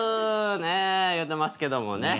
ねえいうてますけどもね。